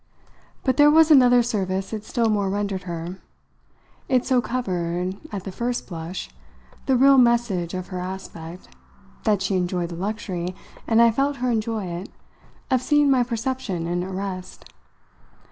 But there was another service it still more rendered her: it so covered, at the first blush, the real message of her aspect, that she enjoyed the luxury and I felt her enjoy it of seeing my perception in arrest.